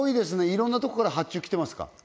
いろんなとこから発注来てますか？